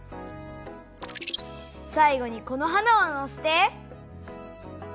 さいごにこの花をのせて。